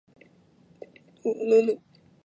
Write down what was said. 卢鲁德布布勒人口变化图示